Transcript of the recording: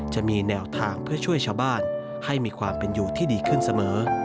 จะมีแนวทางเพื่อช่วยชาวบ้านให้มีความเป็นอยู่ที่ดีขึ้นเสมอ